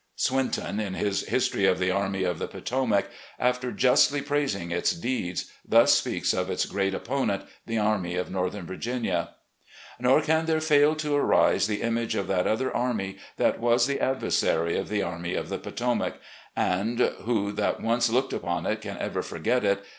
Swinton, in his " History of the Army of the Potomac," after justly praising its deeds, thus speaks of its great opponent, the Army of Northern Virginia: "Nor can there fail to arise the image of that other army that was the adversary of the Army of the Potomac, and — ^who that once looked upon it can ever forget it